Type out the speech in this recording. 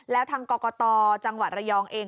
แล้วทางกรกตจังหวัดระยองเอง